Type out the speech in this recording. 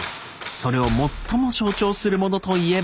それを最も象徴するものといえば。